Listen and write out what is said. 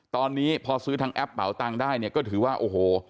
ตอนนี้พอซื้อทางแอปเป๋าตังค์ได้เนี่ยก็ถือว่าโอ้โห